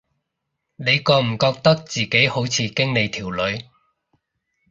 你覺唔覺得自己好似經理條女